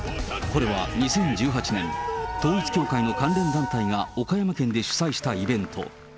これは２０１８年、統一教会の関連団体が岡山県で主催したイベント。